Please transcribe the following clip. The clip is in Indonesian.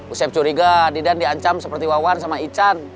usep curiga didan diancam seperti wawan sama ican